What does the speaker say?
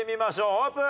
オープン！